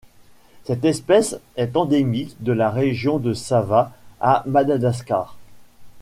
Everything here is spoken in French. Cette espèce est endémique de la région de Sava à Madagascar.